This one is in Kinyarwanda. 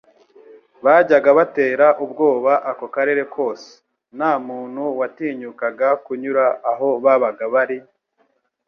bajyaga batera ubwoba ako karere kose. Nta muntu watinyukaga kunyura aho babaga bari,